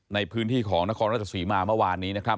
ในพื้นที่ของนครรัฐสุริมาเมื่อวานนี้